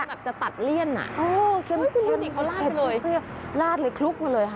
แบบจะตัดเลี่ยนโอ้เค็มเล็กลุกมาเลย